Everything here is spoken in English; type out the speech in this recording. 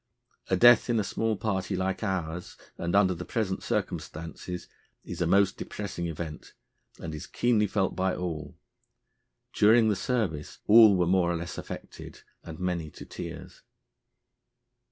A death in a small party like ours, and under the present circumstances, is a most depressing event, and is keenly felt by all. During the service all were more or less affected, and many to tears."